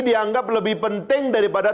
dianggap lebih penting daripada